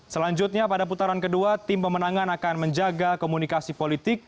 selanjutnya pada putaran kedua tim pemenangan akan menjaga komunikasi politik